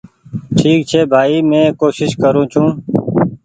ٺيڪ ڇي ڀآئي مينٚ ڪوشش ڪررو ڇوٚنٚ